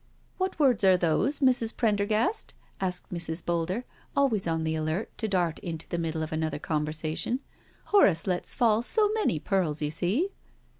" What words are those, Mrs. Prendergast?" asked Mrs. Boulder, always on the alert to dart into the middle of another conversation: "Horace lets fall so many pearls, you see.